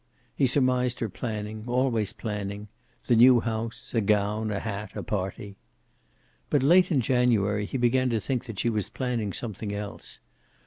He surmised her planning, always planning; the new house, a gown, a hat, a party. But late in January he began to think that she was planning something else.